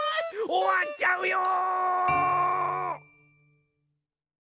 おわっちゃうよ！